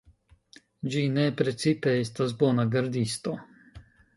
Ĝi ne precipe estas bona gardisto.